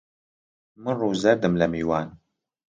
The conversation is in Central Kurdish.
من ڕوو زەردم لە میوان